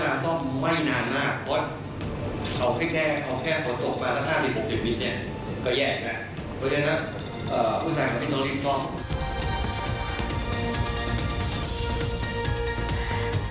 เพราะฉะนั้นผู้สายกะพริกต้องรีบซ่อม